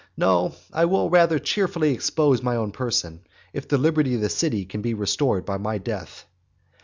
No, I will rather cheerfully expose my own person, if the liberty of the city can be restored by my death.